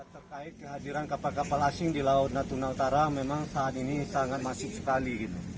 terkait kehadiran kapal kapal asing di laut natuna utara memang saat ini sangat masif sekali